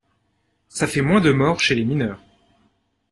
ça fait moins de morts chez les mineurs.